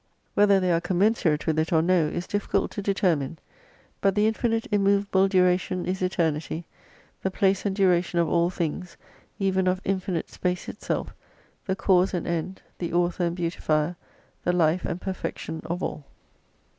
Whether they are commensurate with it or no, is difficult to deter mine. But the infinite immovable duration is Eternity, the place and duration of all things, even of infinite space itself : the cause and end, the author and beauti fier, the life and perfection of all.